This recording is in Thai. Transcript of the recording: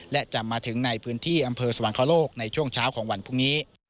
และจะมาถึงในพื้นที่อำเภอสวรรคโลกในช่วงเช้าของวันพรุ่งนี้